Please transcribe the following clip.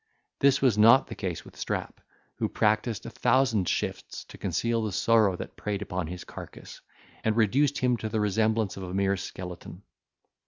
This was not the case with Strap, who practised a thousand shifts to conceal the sorrow that preyed upon his carcass, and reduced him to the resemblance of a mere skeleton.